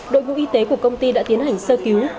đội vụ y tế của công ty đã tiến hành sơ cứu